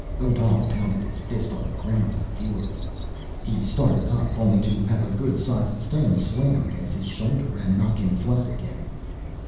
Odal pounded his fist on the ground in fury. He started up, only to have a good sized stone slam against his shoulder, and knock him flat again.